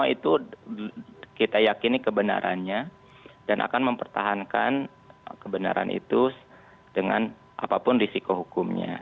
itu kita yakini kebenarannya dan akan mempertahankan kebenaran itu dengan apapun risiko hukumnya